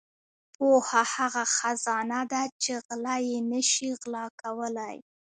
• پوهه هغه خزانه ده چې غله یې نشي غلا کولای.